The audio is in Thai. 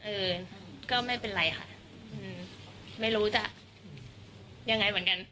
เออก็ไม่เป็นไรค่ะอืมไม่รู้จะยังไงเหมือนกัน